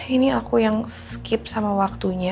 ini aku yang skip sama waktunya